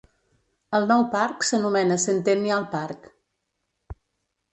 El nou parc s'anomena Centennial Park.